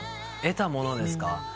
得たものですか。